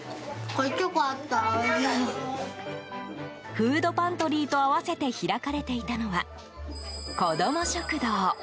フードパントリーと併せて開かれていたのは、こども食堂。